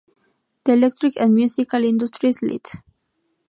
The Electric and Musical Industries Ltd.